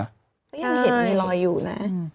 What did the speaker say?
ก็ยังเห็นมีรอยอยู่นะ